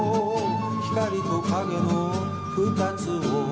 「光と影の２つを」